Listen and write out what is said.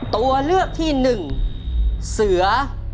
ตัวเลือกที่หนึ่งเสือ